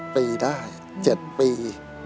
ปีได้๗ปี